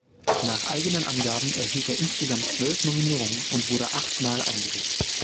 Nach eigenen Angaben erhielt er insgesamt zwölf Nominierungen und wurde achtmal eingesetzt.